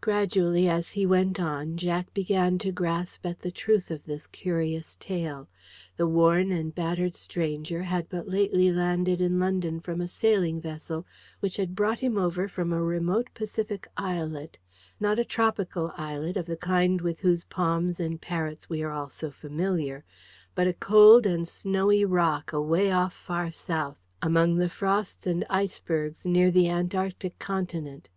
Gradually as he went on Jack began to grasp at the truth of this curious tale. The worn and battered stranger had but lately landed in London from a sailing vessel which had brought him over from a remote Pacific islet: not a tropical islet of the kind with whose palms and parrots we are all so familiar, but a cold and snowy rock, away off far south, among the frosts and icebergs, near the Antarctic continent.